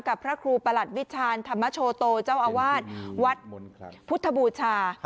พระครูประหลัดวิชาณธรรมโชโตเจ้าอาวาสวัดพุทธบูชา